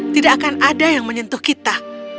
tidak akan ada yang menyentuh kita